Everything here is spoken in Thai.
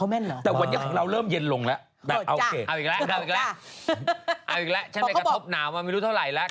เอาอีกแล้วฉันไปกับทบหนาวมาไม่รู้เท่าไหร่แล้ว